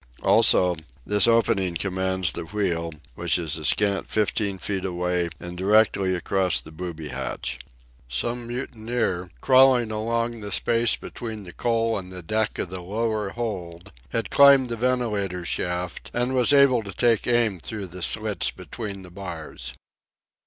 Also, this opening commands the wheel, which is a scant fifteen feet away and directly across the booby hatch. Some mutineer, crawling along the space between the coal and the deck of the lower hold, had climbed the ventilator shaft and was able to take aim through the slits between the bars.